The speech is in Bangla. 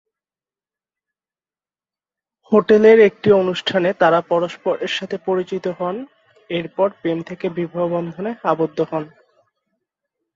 হোটেলের একটি অনুষ্ঠানে তারা পরস্পরের সাথে পরিচিত হন, এরপর প্রেম থেকে বিবাহ বন্ধনে আবদ্ধ হন।